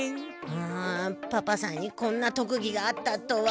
うんパパさんにこんなとくぎがあったとは。